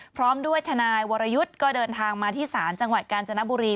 พร้อมด้วยทนายวรยุทธ์ก็เดินทางมาที่ศาลจังหวัดกาญจนบุรี